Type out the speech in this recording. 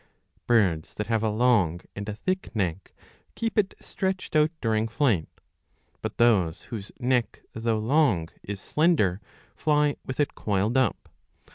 ^'' Birds that have a long and a thick neck, keep it stretched out during flight ; but those whose neck though long is slender fly with it coiled up.